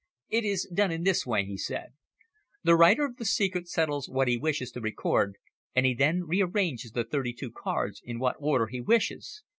"It is done in this way," he said. "The writer of the secret settles what he wishes to record and he then arranges the thirty two cards in what order he wishes.